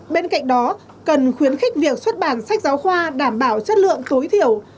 bên cạnh đó cần khuyến khích việc xuất bản sách giáo khoa đảm bảo chất lượng tối thiểu